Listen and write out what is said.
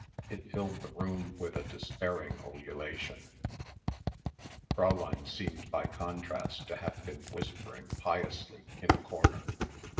It filled the room with a despairing ululation. Fräulein seemed by contrast to have been whispering piously in a corner.